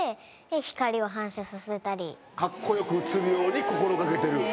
カッコ良く映るように心掛けてる。